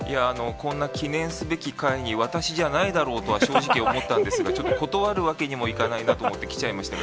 こんな記念すべき会に、私じゃないだろうとは正直思ったんですが、ちょっと断るわけにもいかないなと思って、来ちゃいましたが。